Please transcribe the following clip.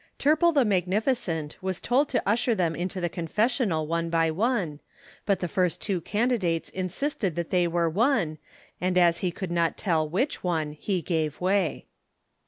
Turple the magnificent, was told to usher them into the confessional one by one, but the first two candidates insisted that they were one, and as he could not tell which one he gave way.